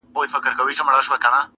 اوس به كومه تورپېكۍ پر بولدك ورسي؛